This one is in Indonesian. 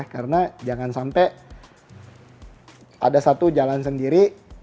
karena jangan sampai ada satu jalan sendiri